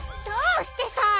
どうしてさ！？